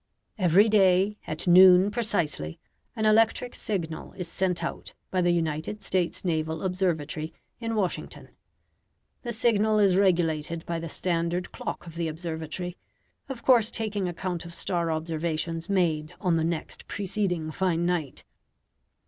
Every day, at noon precisely, an electric signal is sent out by the United States Naval Observatory in Washington. The signal is regulated by the standard clock of the observatory, of course taking account of star observations made on the next preceding fine night.